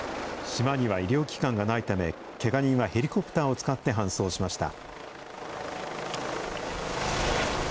島には医療機関がないため、けが人はヘリコプターを使って搬送しました。